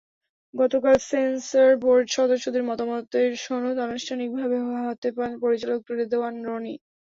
গতকাল সেন্সরবোর্ড সদস্যদের মতামতের সনদ আনুষ্ঠানিকভাবে হাতে পান পরিচালক রেদওয়ান রনি।